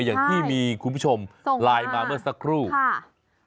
อย่างที่มีคุณผู้ชมลายมาเมื่อสักครู่ค่ะส่งมาครับ